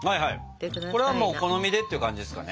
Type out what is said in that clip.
これはもうお好みでっていう感じですかね。